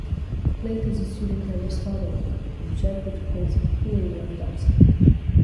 Plato's student Aristotle objected to Plato's theory of doxa.